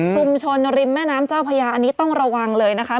ริมแม่น้ำเจ้าพญาอันนี้ต้องระวังเลยนะคะ